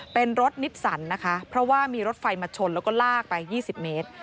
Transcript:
เป็นรถนิสสันนะคะเพราะว่ามีรถไฟมาชนแล้วก็ลากไป๒๐เมตร